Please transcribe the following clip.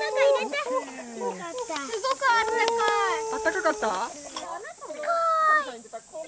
あったかかった？